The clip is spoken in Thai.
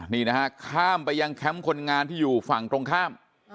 นี่นะฮะข้ามไปยังแคมป์คนงานที่อยู่ฝั่งตรงข้าม